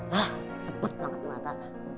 hah sempet banget mata